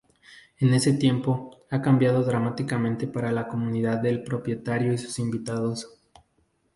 En ese tiempo, ha cambiado dramáticamente para la comodidad del propietario y sus invitados.